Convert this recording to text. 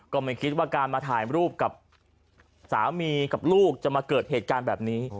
ก็ไม่คิดว่าการมาถ่ายรูปกับสามีกับลูกจะมาเกิดเหตุการณ์แบบนี้